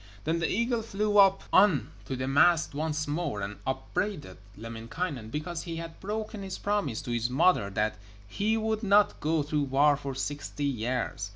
Then the eagle flew up on to the mast once more, and upbraided Lemminkainen because he had broken his promise to his mother that he would not go to war for sixty years.